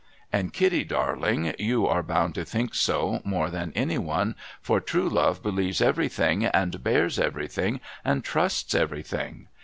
And, Kitty darling, you are bound to think so more than any one, for true love believes everything, and bears everything, and trusts everything.